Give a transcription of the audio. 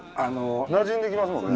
なじんできますもんね。